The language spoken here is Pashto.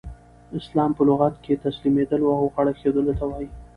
اسلام په لغت کښي تسلیمېدلو او غاړه ایښودلو ته وايي.